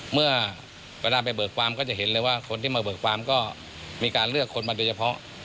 เมื่อเวลาไปเบิกความก็จะเห็นเลยว่าคนที่มาเบิกความก็มีการเลือกคนมาโดยเฉพาะ